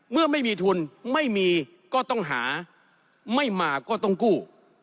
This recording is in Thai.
เมื่อไม่มีทุนไม่มีก็ต้องหาไม่มาก็ต้องกู้